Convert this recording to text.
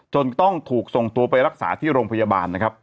จนต้องถูกส่งตัวไปรักษาที่โรงพยาบาลนะครับ